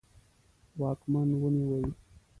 واکمن ونیوی.